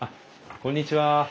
こんにちは。